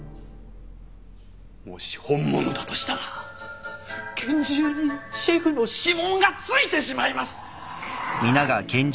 もし本物だとしたら拳銃にシェフの指紋がついてしまいます。